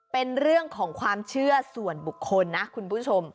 เป็นเรื่องของความเชื่อส่วนบุคคลนะคุณผู้ชม